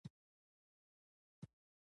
هغوی د صادق خوبونو د لیدلو لپاره ناست هم وو.